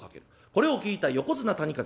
これを聞いた横綱谷風